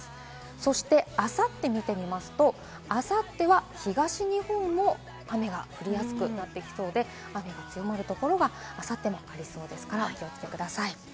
そしてあさって見てみますと、あさっては東日本も雨が降りやすくなってきそうで、雨が強まるところがあさってもありそうですからお気をつけください。